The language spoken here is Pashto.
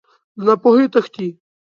له ناپوهۍ تښتې.